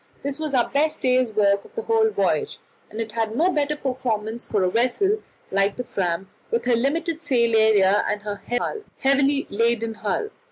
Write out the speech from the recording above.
This was our best day's work of the whole voyage, and it is no bad performance for a vessel like the Fram, with her limited sail area and her heavily laden hull.